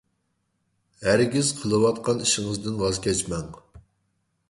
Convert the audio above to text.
ھەرگىز قىلىۋاتقان ئىشىڭىزدىن ۋاز كەچمەڭ.